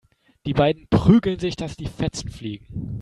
Die beiden prügeln sich, dass die Fetzen fliegen.